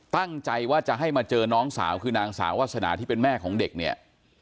ตั้งใจว่าจะให้มาเจอน้องสาวคือนางสาววาสนาที่เป็นแม่ของเด็กเนี่ย